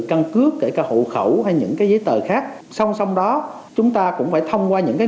căn cứ kể cả hộ khẩu hay những cái giấy tờ khác xong xong đó chúng ta cũng phải thông qua những cái